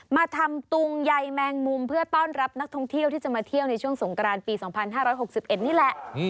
มาทำตุงใยแมงมุมเพื่อต้อนรับนักท่องเที่ยวที่จะมาเที่ยวในช่วงสงกรานปี๒๕๖๑นี่แหละ